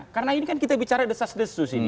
karena ini kan kita bicara desas desus ini